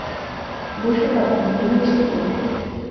বসুন আপনি, নীলু এসে পড়বে।